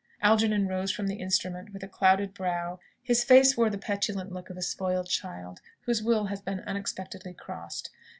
Algernon rose from the instrument with a clouded brow. His face wore the petulant look of a spoiled child, whose will has been unexpectedly crossed.